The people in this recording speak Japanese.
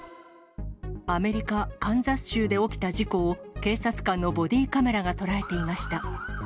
アメリカ・カンザス州で起きた事故を警察官のボディーカメラが捉えていました。